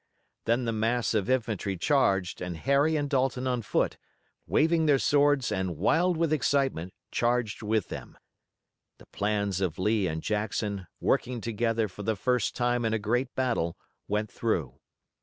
Then the mass of infantry charged and Harry and Dalton on foot, waving their swords and wild with excitement, charged with them. The plans of Lee and Jackson, working together for the first time in a great battle, went through.